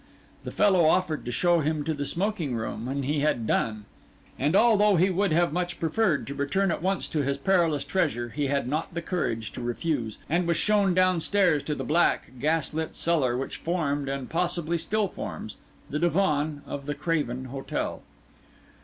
The fellow offered to show him to the smoking room when he had done; and although he would have much preferred to return at once to his perilous treasure, he had not the courage to refuse, and was shown downstairs to the black, gas lit cellar, which formed, and possibly still forms, the divan of the Craven Hotel.